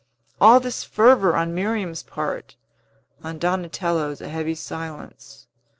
All this fervor on Miriam's part; on Donatello's, a heavy silence.